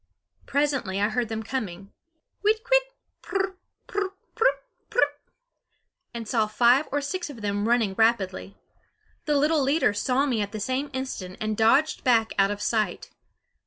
Presently I heard them coming Whit kwit? pr r r, pr r r, prut, prut! and saw five or six of them running rapidly. The little leader saw me at the same instant and dodged back out of sight.